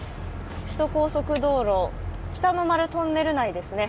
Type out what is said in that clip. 首都高速道路、北の丸トンネル内ですね。